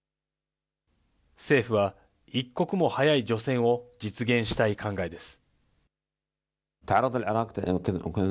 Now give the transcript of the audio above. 政府は一刻も早い除染を実現したい考えです。